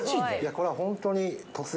これはホントに突然。